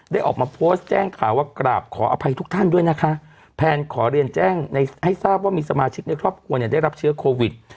ออกมาโพสต์แจ้งข่าวว่ากราบขออภัยทุกท่านด้วยนะคะแพนขอเรียนแจ้งให้ทราบว่ามีสมาชิกในครอบครัวเนี่ยได้รับเชื้อโควิด